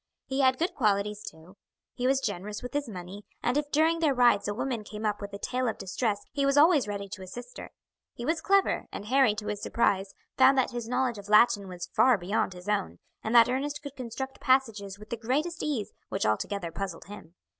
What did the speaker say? He had good qualities too: he was generous with his money, and if during their rides a woman came up with a tale of distress he was always ready to assist her. He was clever, and Harry, to his surprise, found that his knowledge of Latin was far beyond his own, and that Ernest could construct passages with the greatest ease which altogether puzzled him.